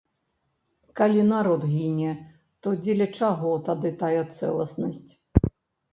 Калі народ гіне, то дзеля чаго тады тая цэласнасць?